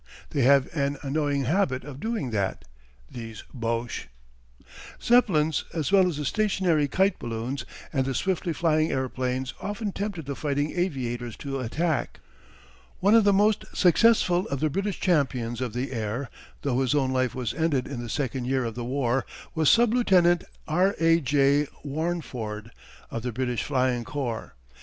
They have an annoying habit of doing that, these Boches. Zeppelins as well as the stationary kite balloons and the swiftly flying airplanes often tempted the fighting aviators to attack. One of the most successful of the British champions of the air, though his own life was ended in the second year of the war, was sub Lieutenant R. A. J. Warneford, of the British Flying Corps.